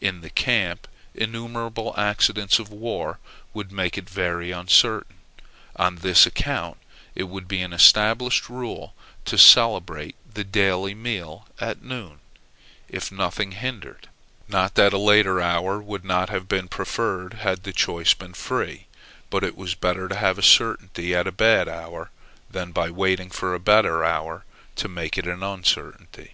In the camp innumerable accidents of war would make it very uncertain. On this account it would be an established rule to celebrate the daily meal at noon, if nothing hindered; not that a later hour would not have been preferred had the choice been free; but it was better to have a certainty at a bad hour, than by waiting for a better hour to make it an uncertainty.